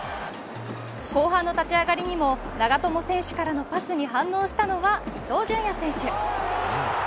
後半の立ち上がりにも長友選手からのパスに反応したのは伊東純也選手。